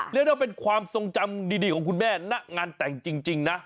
เรียกได้เป็นความทรงจำดีของคุณแม่ณงานแต่งจริงนะ